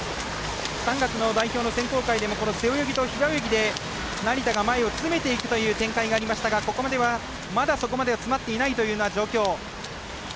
３月の代表の選考会でも背泳ぎと平泳ぎで成田が前を詰めていく展開がありましたがここまではまだそこまでは詰まっていないというような状況。